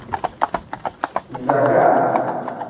Zakaa.